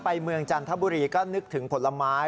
เมืองจันทบุรีก็นึกถึงผลไม้